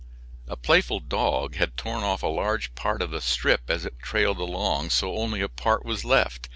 A playful dog had torn off a large part of the strip as it trailed along, so only a part was left.